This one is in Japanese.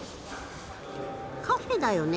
カフェだよね？